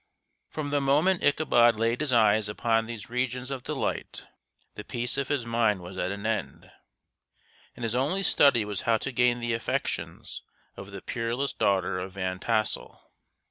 From the moment Ichabod laid his eyes upon these regions of delight the peace of his mind was at an end, and his only study was how to gain the affections of the peerless daughter of Van Tassel.